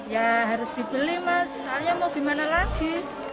ya harus dibeli mas soalnya mau gimana lagi